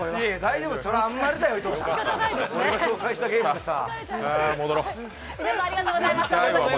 俺が紹介したゲームだしさ。